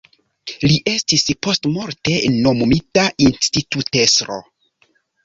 Li estis postmorte nomumita institutestro.